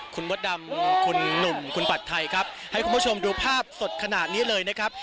คุณมดดำคุณหนุ่มคุณผัดไทยครับให้คุณผู้ชมดูภาพสดขนาดนี้เลยนะครับ